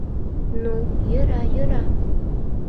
— Ну, йӧра, йӧра!